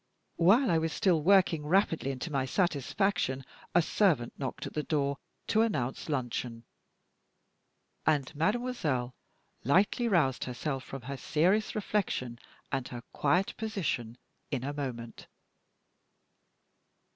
While I was still working rapidly and to my satisfaction, a servant knocked at the door to announce luncheon, and mademoiselle lightly roused herself from her serious reflection and her quiet position in a moment.